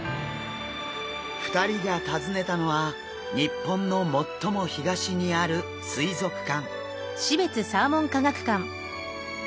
２人が訪ねたのは日本の最も東にある水族館。